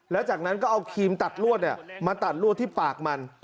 แล้วจากนั้นก็เอาครีมตัดลวดมาตัดลวดที่ปากมัน